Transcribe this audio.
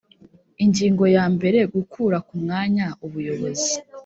Ingingo ya mbere Gukura ku mwanya ubuyobozi